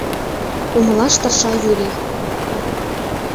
— умылаш тырша Юрий.